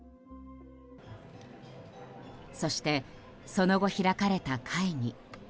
そして、その後開かれた会議。